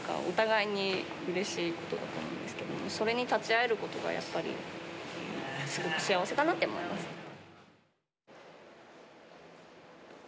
お互いにうれしいことだと思うんですけどもそれに立ち会えることがやっぱりすごく幸せかなって思います。